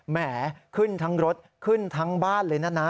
แหมขึ้นทั้งรถขึ้นทั้งบ้านเลยนะ